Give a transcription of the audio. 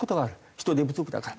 人手不足だから。